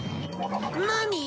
何？